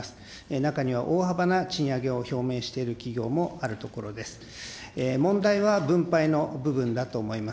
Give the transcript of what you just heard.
中には大幅な賃上げを表明している企業もあるところです。